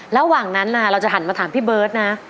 ระหว่างนั้นเราจะหันมาถามพี่เบิร์ตนะ